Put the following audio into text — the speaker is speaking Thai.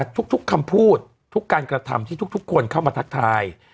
ทุกคำพูดทุกการกระทำที่ทุกคนเข้ามาทักทาย